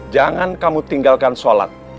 jangan kamu tinggalkan sholat